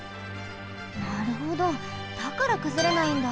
なるほどだからくずれないんだ。